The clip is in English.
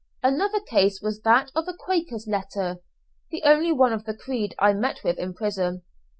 Another case was that of a Quaker's letter (the only one of the creed I met with in prison).